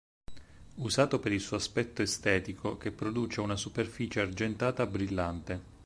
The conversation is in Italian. Usato per il suo aspetto estetico che produce una superficie argentata brillante.